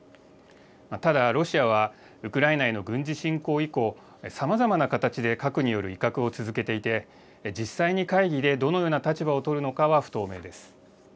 ただ、ロシアはウクライナへの軍事侵攻以降、さまざまな形で核による威嚇を続けていて、実際に会議でどのような立場を取るのかは不透明です。